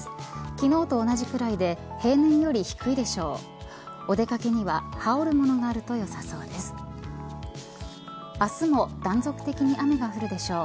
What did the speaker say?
昨日と同じくらいで平年より低いでしょう。